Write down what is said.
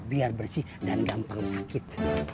biar bersih dan gampang sakit